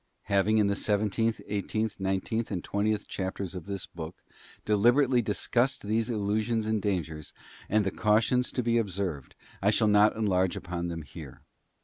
Having in the seventeenth, eighteenth, nineteenth, and twentieth chapters of this book, deliberately discussed these illusions and dangers, and the cautions to be observed, I shall not enlarge upon them here.